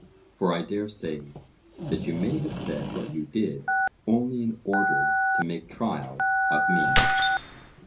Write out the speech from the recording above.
For I dare say that you may have said what you did only in order to make trial of me.